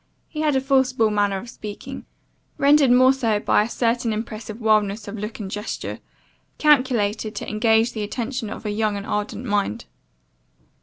He had a forcible manner of speaking, rendered more so by a certain impressive wildness of look and gesture, calculated to engage the attention of a young and ardent mind.